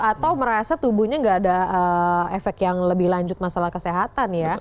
atau merasa tubuhnya nggak ada efek yang lebih lanjut masalah kesehatan ya